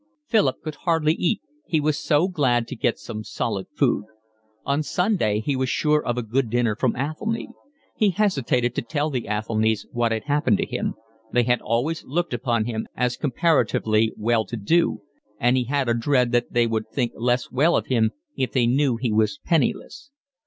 Philip could hardly eat, he was so glad to get some solid food. On Sunday he was sure of a good dinner from Athelny. He hesitated to tell the Athelnys what had happened to him: they had always looked upon him as comparatively well to do, and he had a dread that they would think less well of him if they knew he was penniless.